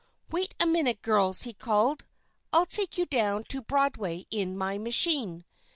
"Wait a minute, girls," he called; "I'll take you down to Broadway in my machine."